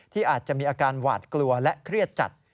ที่อาจจะมีอาการหวาดกลัวและเครียดจัด